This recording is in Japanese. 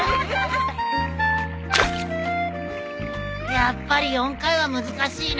やっぱり４回は難しいな。